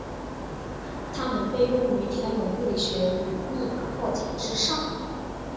它们被用于天文物理学及密码破解之上。